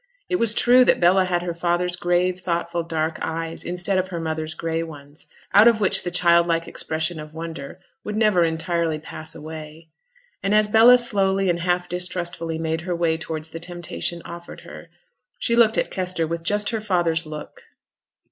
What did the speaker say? It was true that Bella had her father's grave, thoughtful, dark eyes, instead of her mother's gray ones, out of which the childlike expression of wonder would never entirely pass away. And as Bella slowly and half distrustfully made her way towards the temptation offered her, she looked at Kester with just her father's look.